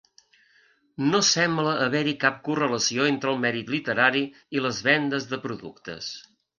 No sembla haver-hi cap correlació entre el mèrit literari i les vendes de productes.